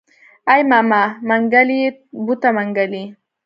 ای ماما منګلی يې بوته منګلی.